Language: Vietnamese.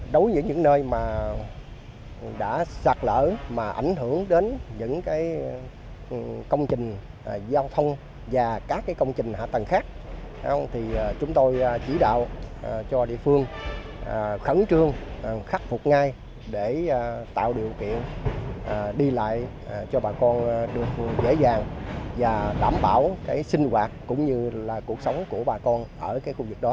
đối với những nơi mà đã sạt lở mà ảnh hưởng đến những cái công trình giao thông và các cái công trình hạ tầng khác thì chúng tôi chỉ đạo cho địa phương khẩn trương khắc phục ngay để tạo điều kiện đi lại cho bà con được dễ dàng và đảm bảo cái sinh hoạt cũng như là cuộc sống của bà con ở cái khu vực đó